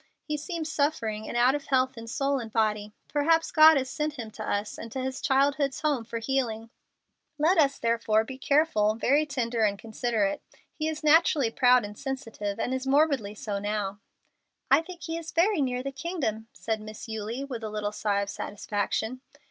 He seems suffering and out of health in soul and body. Perhaps God has sent him to us and to his childhood's home for healing. Let us, therefore, be very careful, very tender and considerate. He is naturally proud and sensitive, and is morbidly so now." "I think he is near the Kingdom," said Miss Eulie, with a little sigh of satisfaction.